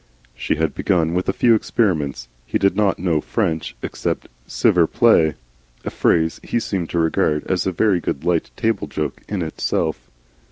She had begun with a few experiments. He did not know French except 'sivver play,' a phrase he seemed to regard as a very good light table joke in itself.